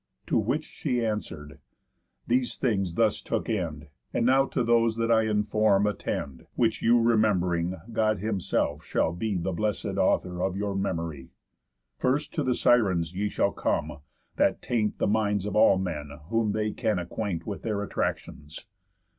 To which she answer'd: 'These things thus took end. And now to those that I inform attend, Which you rememb'ring, God himself shall be The blesséd author of your memory. First to the Sirens ye shall come, that taint The minds of all men whom they can acquaint With their attractions.